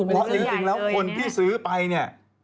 เพราะคนที่ซื้อไปเนี่ย